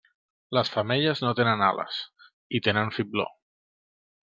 Les femelles no tenen ales i tenen fibló.